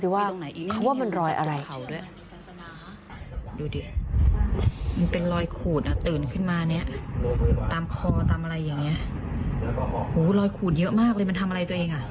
ว่าเขาว่ามันรอยอะไร